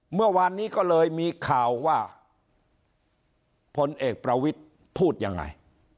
เมื่อวานนี้ก็เลยมีข่าวว่าพลเอกประวิทย์พูดยังไง